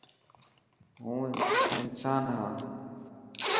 هون انسان هان.